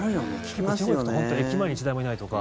地方に行くと本当に駅前に１台もいないとか。